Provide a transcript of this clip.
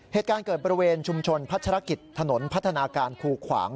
เหตุการณ์เกิดบริเวณชุมชนพัชรกิจถนนพัฒนาการคูขวาง